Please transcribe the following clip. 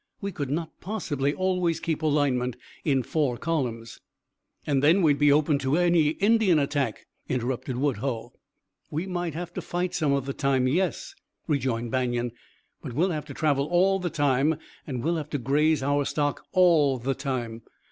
We could not possibly always keep alignment in four columns." "And then we'd be open to any Indian attack," interrupted Woodhull. "We might have to fight some of the time, yes," rejoined Banion; "but we'll have to travel all the time, and we'll have to graze our stock all the time.